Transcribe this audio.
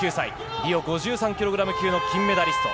リオ５３ｋｇ級の金メダリスト。